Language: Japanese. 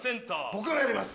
僕がやります。